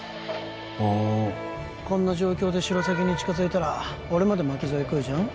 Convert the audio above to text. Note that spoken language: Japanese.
ほうこんな状況でシロサギに近づいたら俺まで巻き添え食うじゃん？